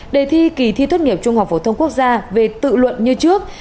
đề thi kỳ thi tốt nghiệp trung học phổ thông quốc gia về tự luận như trước